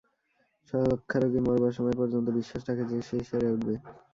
যক্ষ্মারোগী মরবার সময় পর্যন্ত বিশ্বাস রাখে যে, সে সেরে উঠবে।